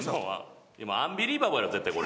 アンビリバボーやろ絶対これ。